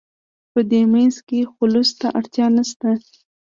په دې منځ کې خلوص ته اړتیا نشته.